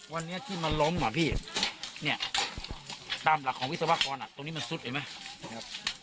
วันนี้ที่มันล้มอ่ะพี่เนี่ยตามหลักของวิศวกรตรงนี้มันซุดเห็นไหมนะครับ